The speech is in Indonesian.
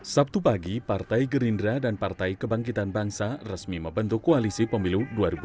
sabtu pagi partai gerindra dan partai kebangkitan bangsa resmi membentuk koalisi pemilu dua ribu dua puluh